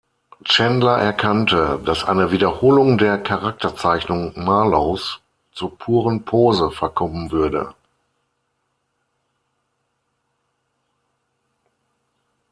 Chandler erkannte, dass eine Wiederholung der Charakterzeichnung Marlowes zur puren Pose verkommen würde.